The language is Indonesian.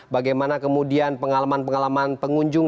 bagaimana kemudian pengalaman pengalaman pengunjung